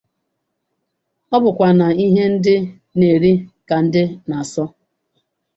Ọ bụkwa na ihe ndị na-eri ka ndị na-asọ.